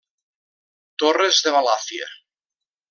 Torres de Balàfia.